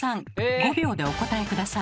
５秒でお答え下さい。